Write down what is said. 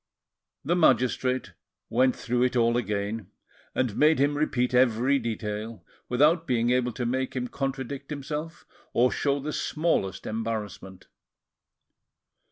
The magistrate went through it all again, and made him repeat every detail, without being able to make him contradict himself or show the smallest embarrassment.